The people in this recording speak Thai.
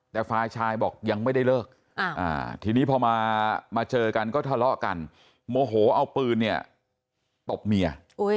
แต่ฝ่ายชายบอกยังไม่ได้เลิกทีนี้พอมาเจอกันก็ทะเลาะกันโมโหเอาปืนเนี่ยตบเมีย